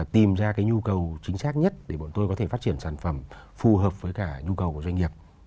tìm ra cái nhu cầu chính xác nhất để bọn tôi có thể phát triển sản phẩm phù hợp với cả nhu cầu của doanh nghiệp